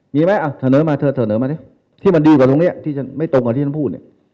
มีไหมเสนอมาเธอเสนอมาดิที่มันดีกว่าตรงนี้ที่ไม่ตรงกับที่ท่านพูดเนี่ย